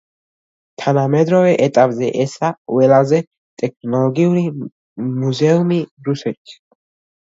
თანამედროვე ეტაპზე ესაა ყველაზე ტექნოლოგიური მუზეუმი რუსეთში.